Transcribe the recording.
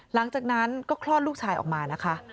หลังจากนั้นก็คลอดลูกชายออกมานะคะ